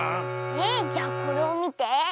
えっじゃこれをみて！